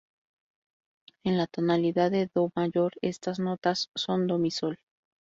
En la tonalidad de Do Mayor, estas notas son Do-Mi-Sol.